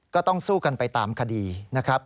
ก็ต้องสู้กันไปตามคดีนะครับ